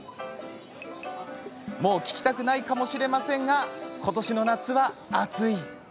もう聞きたくもないかもしれませんがことしの夏は暑い！